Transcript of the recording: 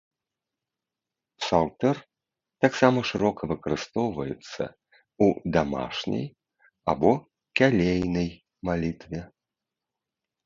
Псалтыр таксама шырока выкарыстоўваецца ў дамашняй або кялейнай малітве.